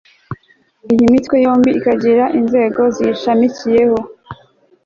iyi mitwe yombi ikagira inzego ziyishamikiyeho